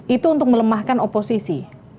itu untuk melemahkan oposisi